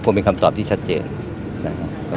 เป็นคำตอบที่ชัดเจนนะครับ